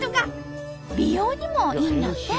美容にもいいんだって！